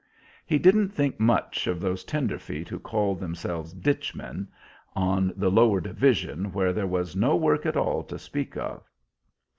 He didn't think much of those tenderfeet, who called themselves ditch men, on that lower division where there was no work at all to speak of.